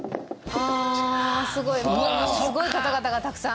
すごい方々がたくさん。